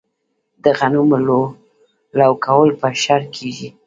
د غنمو لو کول په اشر کیږي.